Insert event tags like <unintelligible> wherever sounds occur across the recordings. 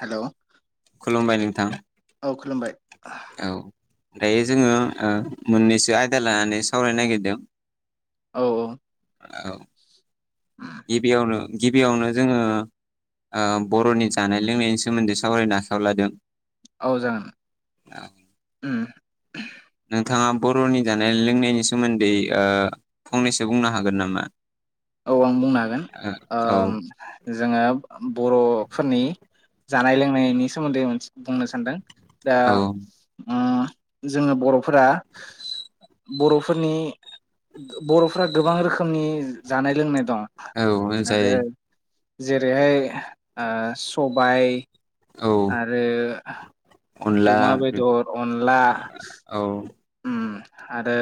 Hello खुलुमबाय नोंथां औ खुलुमबाय औ दायो जोङो ओ मोननैसो आयदा लानानै सावरायनो नागिरदों औ आरो गिबियावनो गिबियावनो जोङो बरनि जानाय लोंनायनि सोमोन्दै सावरायनो आखायाव लादों औ औ जागोन नोंथाङा बर'नि जानाय लोंनायनि सोमोन्दै ओ फंनैसो बुंनो हागोन नामा? औ आं बुंनो हागोन ओ ओम जोङो बर' फोरनि जानाय लोंनायनि सोमोन्दैसे बुंनो सानदों। दा औ उम जोङो बर'फोरा बर'फोरनि बर'फ्रा गोबां रोखोमनि जानाय लोंनाय दं औ औ जाय आरो जेरैहाय सबाय औ आरो अनला अमा बेदर अनला औ उम आरो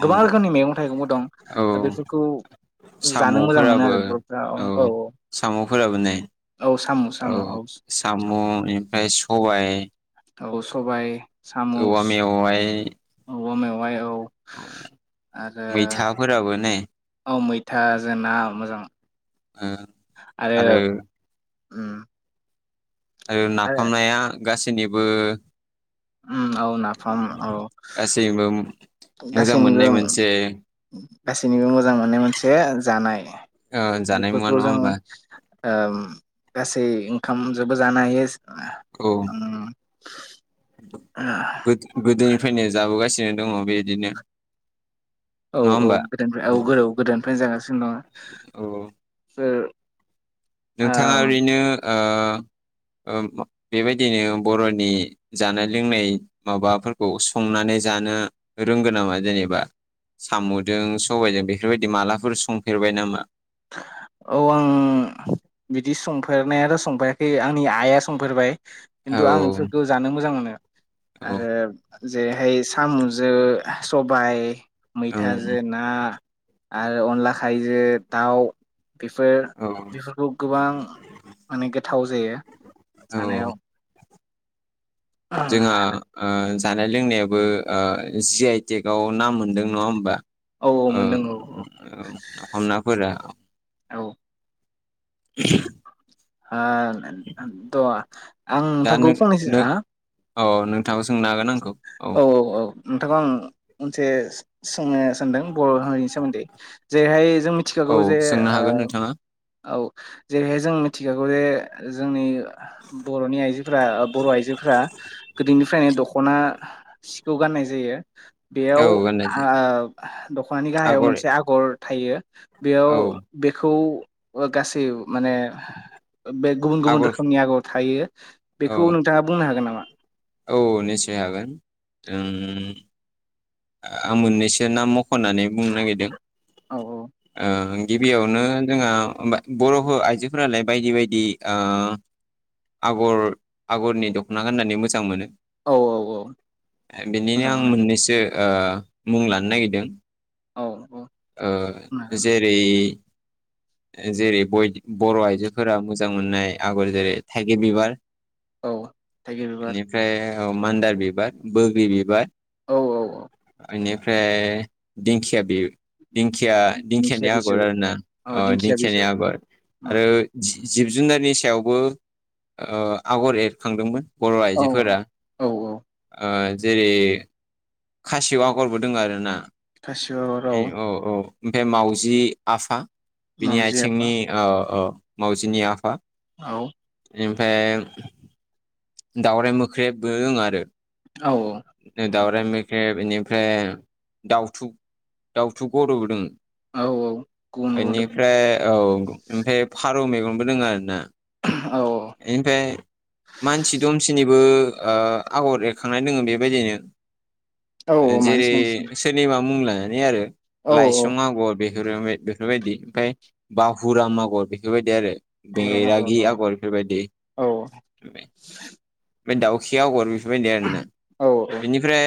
उम गोबां रोखोमनि मैगं थाइगंबो दं औ दा बेफोरखौ जानो मोजां मोनो साम'फोराबो आरो बर'फ्रा औ साम'फोराबो नेै औ साम' साम' औ साम' ओमफ्राय सबाय औ सबाय औवा सामुस मेवाइ औवा मेवाइ औ मैथाफोराबो ने अ मैथा जोंना मोजां उम आरो उम आरो नाफामनाया गासैनिबो उम औ नाफाम औ गासैबो मोजां गासैनिबो मोननाय मोनसे गासैनिबो मोजां मोननाय मोनसे जानाय ओ जानाय मुवा बेफोरखौ नङा जों होमबा ओम गासै ओंखाम जबो जानो हायो औ उम गोदोनिफ्रायनो जाबोगासिनो दङ बेबायदिनो औ औ गोदोनिफ्राय औ गोदो गोदोनिफ्रायनो जागासिनो औ दङ। नोंथाङा ओम ओरैनो बेबायदिनो बर'नि जानाय लोंनाय माबाफोरखौ संनानै जानो रोंगोन नामा जेनेबा साम'जों सबायजों बेफोरबायदि मालाफोर संफेरबाय नामा? औ आं बिदि संफेरनायाथ' संफेराखै आंनि आइआ संफेरबाय औ खिन्थु आं बेफोरखौ जानो मोजां मोनो औ आरो जेरैहाय साम'जों सबाय ओं मैथाजों ना आरो अनला खारैजों दाउ बेफोर औ बेफोरखौ गोबां माने गोथाव जायो। औ जानायाव जोंहा ओ जानाय लोंनायाबो जि आइटेकव नाम मोनदों नङा होमबा औ नाफाम नाफोरा <inaudible> औ द' आं दा नोंथांखौ नों फंनैसो नों हा <unintelligible> औ नोंथाङो सोंनो हागोन आंखौ औ नोंथांखौ आं मोनसे सोंनो सानदों बर' हारिनि सोमोन्दै जेरैहाय जों औ मिथिखागौ जे सोंनो हागोन ओ नोंथाङा औ जेरैहाय जों मिथिखागौ जे जोंनि बर'नि आइजोफोरा बर' आइजोफ्रा गोदोनिफ्रायनो दख'ना सिखौ गाननाय जायो। बेयाव औ गाननाय आ जोम दख'नानि गाहायाव आगर मोनसे आगर थायो। बेयाव औ बेखौ गासै माने बे गुबुन गुबुन रोखोमनि आगर थायो औ बेखौ नोंथाङा बुंनो हागोन नामा? औ निसय हागोन आं मोननैसो नाम म खननानै बुंनो नागिरदों औ गिबियावनो जोंहा बर' आइजोफोरालाय बायदि बायदि आगर आगरनि दख'ना गाननानै मोजां मोनो औ औ औ बिनिनो मोजां आं मोनो मोननैसो मुं लानो नागिरदों औ औ बुंनो हागोन जेरै <inaudible> जेरै बर' आइजोफोरा मोजां मोननाय आगर जेरै थाइगिर बिबार औ थाइगिर बिबार बेनिफ्राय औ मान्दार बिबार बोग्रि बिबार औ औ औ बेनिफ्राय दिंखिया बे दिंखिया दिंखियानि दिंखिया बिजौ आगर आरो ना औ अ दिंखिया दिंखियानि बिजौ आगर उम आरो जिब जुनारनि सायावबो आगर एरखांदोंमोन बर' औ आइजोफोरा औ औ जेरै खासियाव आगरबो दङ आरो ना खासिबो आगर ओमफ्राय मावजि आफा बिनि मावजि आफा आथिंनि मावजिनि आफा औ बेनिफ्राय दावराइ मोख्रेबबो दं आरो औ दावराय मोख्रेब ओमफ्राय दाउथु दाउथु गदबोदों औ गुबुन गुबुन रोखोम बेनिफ्राय औ ओमफ्राय ओ बेनिफ्राय औ मानसि दुमसिनि बो आगर एरखांनाय दंङबेबायदिनो औ औ मानसि जेरै मानसि सोरनिबा मुं लानानै आरो औ औ लाइसुं आगर बेफोर बेफोरबायदि ओमफफ्राय बाहुरा मागुर बेफोरबायदि आरो औ र' र' र' बेंगरागि आगर बेफोरबायदि औ ओमफ्राय दाउस्रि आगर बिफोरबाय दे आरोना औ बिनिफ्राय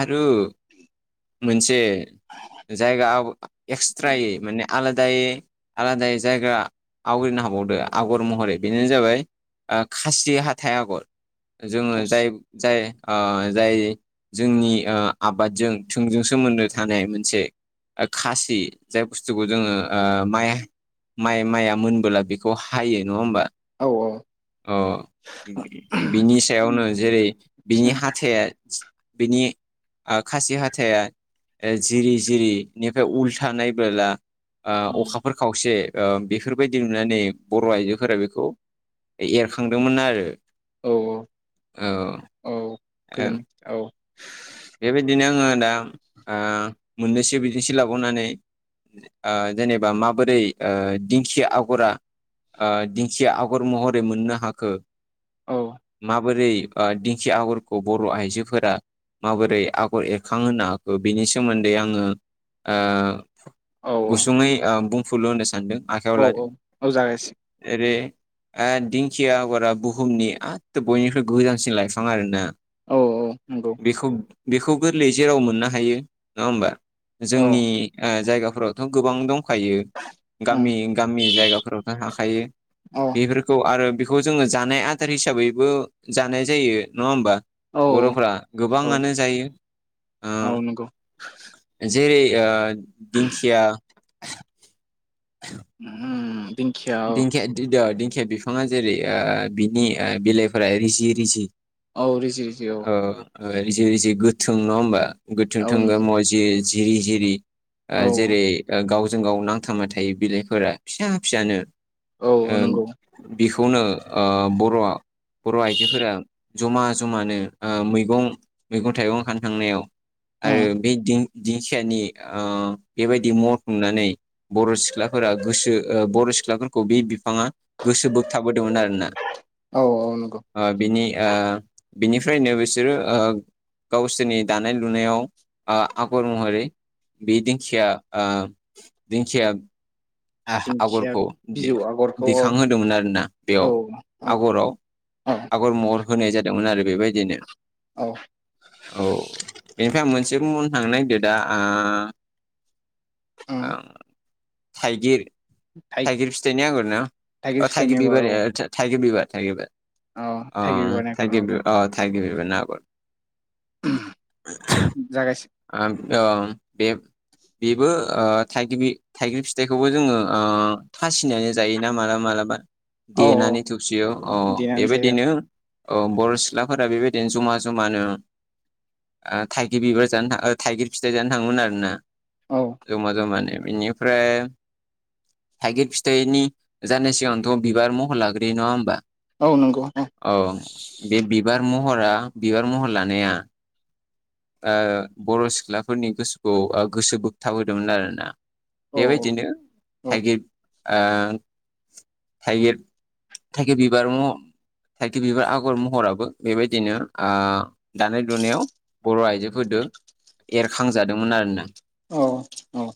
आरो मोनसे जायगा एक्सट्रा माने आलादायै आलादायै जायगा आवग्रिनो हाबावदो आगर महरै बेनोनो जाबाय खासि हाथाय आगर जोङो थस जाय जाय जाय जोंनि आबादजों थोंजों सोमोन्दो थानाय मोनसे खासि जाय बुस्थुखौ जोङो माइ माइ माइया मोनबोला बेखौ हायो नङा होमबा औ औ अ बिनि सायावनो जेरै बिनि हाथाइया बिनि खासि हाथाइया जिरि जिरिनिफ्राय उल्था नायबोला अखाफोर खावसे बेफोरबायदि नुनानै बर' आइजोफोरा बेखौ एरखांदोंमोन आरो औ औ औ गोजोन औ बेबायदिनो आङो दा मोननैसो बिदिनथि लाबावनानै जेनेबा माबोरै दिंखिया आगरा दिंखिया आगर महरै मोननो हाखो औ माबोरै दिंखि आगरखौ बर' आइजोफोरा माबोरै आगर एरखांहोनो हाखो बिनि सोमोन्दै आङो ओ औ गुसुङै बुंफुरलु होनो सानदों आखायाव औ लादों औ औ जागायसै जेरै आ दिंखिया आगरा बुहुमनि एथ' बयनिख्रुइ गोजानसिन लाइफां आरोना। औ औ नंगौ बेखौ बेखौ गोरलैयै जेराव मोननो हायो नङा होमबा औ जोंनि जायगा फोरावथ' गोबां दं। खायो उम गामि गामि जायगाफोराव हायो औ बेफोरखौ आरो बेखौ जोङो जानाय आदार हिसाबैबो जानाय जायो नङा होमबा औ औ बर'फ्रा? औ गोबाङानो जायो। औ ज जेरै ओ दिंखिया उम दिंखिया औ दिंखिया द-दिंखिया बिफाङा जेरै बिनि बिलाइफोरा रिजि रिजि। औ रिजि रिजि औ। ओ रिजि रिजि गोथों नङा होमबा? गोथों औ थोंगोर एसे जिरि जिरि औ जेरै गावजों गाव नांथाबना थायो बिलाइफोरा फिसा फिसानो। ओ औ नंगौ बेखौनो ओ बर'आ बर' आइजोफोरा जमा जमानो मैगं मैगं थाइगं खानो थांनायाव आरो उम बे दिं दिंखियानि ओ बेबायदि मथ नुनानै बर' सिख्लाफोरा गोसो बर' सिख्लाफोरखौ खो बे बि फाङा गोसो बोगथाबोदोंमोन आरोना औ औ नंगौ ओ बिनि ओ बिनिफ्रायनो बिसोरो ओ गावसोरनि दानाय लुनायाव आ आगर महरै बे दिंखिया ओ दिंखिया दिंखिया आगरखौ बिजौ आगरखौ औ दिखांहोदोंमोन आरोना बेयाव औ औ आगराव औ आगर महर होनाय जादोंमोन आरो बेबायदिनो औ औ बेनिफ्राय आं मोन से बुंनो थांनो नागिरदों दा उम थाइगिर थाइगिर फिथाइनि आगर ना अ फिथाइनि थाइगिर आगर बिबार औ थाइगिर बिबार। थाइगिर बिबार औ थाइगिर अ बिबारनि थाइ आगर बि औ अ थाइगिर बि आरो ना जागासि आ ओं बे बेबो ओ थाइगिबि-थाइगिर फिथाइखौबो जोङो थासिनानै जायोना मालाबा मालाबा। औ औ देनानै थौबसियाव अ देनानै जायो बेबायदिनो औ बर' सिख्लाफोरा बेबायदिनो जमा जमानो थाइगिर बिबार जानो थां थाइगिर फिथाइ जानो थाङोमोन आरोना औ जमा जमानो बेनिफ्राय थाइगिर फिथाइनि जानाय सिगांथ' बिबार महर लाग्रोयो नङा होमबा? औ नंगौ औ बे बिबार महरा बिबार महर लानाया ओ बर' सिख्लाफोरनि गोसोखौ गोसो बोगथाब होदोंमोन आरोना। औ बेबायदिनो औ थाइगिर ओ थाइगिर थाइगिर बिबार म थाइगिर बिबार आगर महराबो बेबायदिनो आ दानाय लुनायाव बर' आइजोफोरदो एरखांजादोंमोन आरोना। औ औ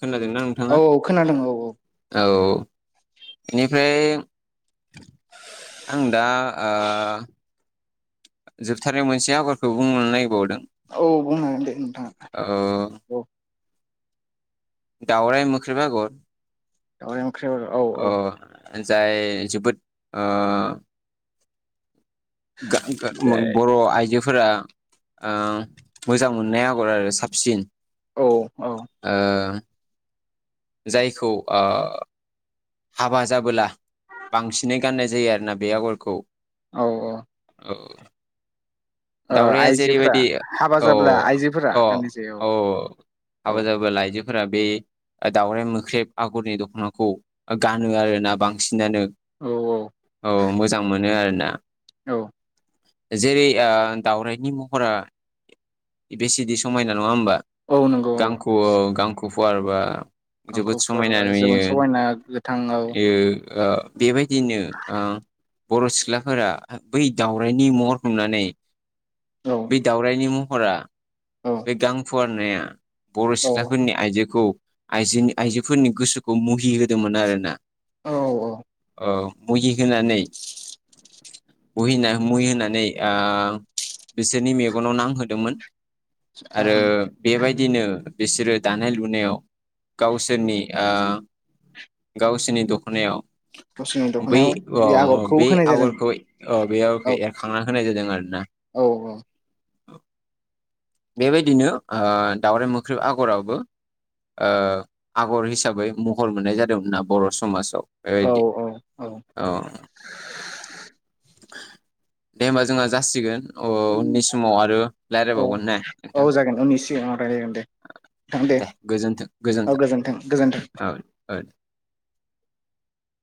खोनादोंना नोंथाङा औ औ खोनादों औ औ। औ बेनिफ्राय आं दा आ जोबथारनायाव मोनसे आगरखौ बुंनो नागिरबावदों औ बुंनो हागोन दे नोंथाङा ओ औ दाउराइ मोख्रेब आगर ओंख्रि औ औ ओ जाय जोबोद बर' आइजो फोर मोजां मोननाय आगर आरो साबसिन औ औ जायखौ हाबा जाबोला बांसिनै गाननाय जायो आरोना बे आगरखौ औ औ औ ओ दाउरायया आइजोफ्रा जेरैबायदि हाबा औ जाब्ला आइजोफोरा औ गाननाय जायो औ औ <inaudible> फोर बे दाउरे मोख्रेब आगरनि दख'नाखौ गानो आरोना बांसिनानो औ औ मोजां मोनो आरोना औ जेरै दावरायाइनि महरा बेसेदि समायना नङा होमबा औ नंगौ औ गांखौ गांखौ फुवारबा जोबोद गांखौ समायना फुवारबा जोबोद समायना गोथां औ नुयोयो बेबायदिनो बर' सिख्लाफोरा बै दाावरायनि महर हमनानै औ बे दावरायनि महरा औ बे गां फुवारनाया बर' औ सिख्लाफोरनि आइजोखौ आइजोनि आइजोफोरनि गोसोखौ मुहि होदोंमोन आरोना औ औ मुहि होनानै मुहि होनानै बिसोरनि मेगनाव नांहोदोंमोन आरो बेबायदि बिदिनो बिसोरो दानाय लुनायाव गावसोरनि गावसोरनि दख'नायाव गावसोरनि बै दख'नायाव औ बे आगरखौ बे होनाय जादों आगरखौ बे औ आगरखौ एरखांना होनाय जादों आरोना। औ औ औ बेबायदिनो दाावराइ मोख्रब आगरावबो आगर हिसाबै महर मोननाय जादोंमोनना बर' समाजाव औ बेबायदि औ अ दे होमबा जोंहा जासिगोन उननि समाव आरो औ रायज्लायबावगोन ने औ नोंथां जागोन उननि सिगाङाव र जागोन दे नां दे औ गोजोनथों गोजोन्थों। <inaudible>